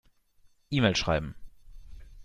E-Mail schreiben.